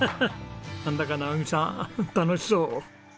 なんだか直己さん楽しそう！